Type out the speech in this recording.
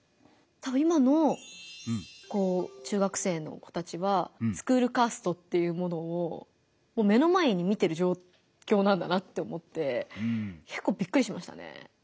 今の中学生の子たちはスクールカーストっていうものをもう目の前に見てる状況なんだなって思ってびっくりしましたね。